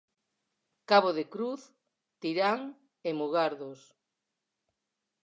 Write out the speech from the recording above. Cabo de Cruz, Tirán e Mugardos.